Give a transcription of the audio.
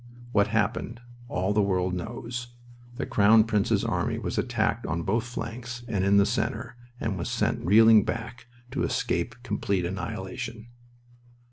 What happened all the world knows. The Crown Prince's army was attacked on both flanks and in the center, and was sent reeling back to escape complete annihilation.